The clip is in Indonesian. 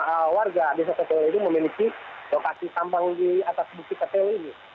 semuanya bertanggung jawab karena hampir semua warga desa petelu ini memiliki lokasi tambang di atas bukit petelu ini